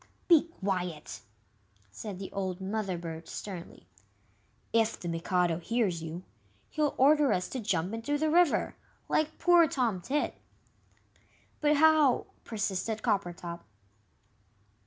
"Be quiet!" said the old Mother bird, sternly; "if the Mikado hears you, he'll order us to jump into the river like poor Tom Tit." "But how " persisted Coppertop.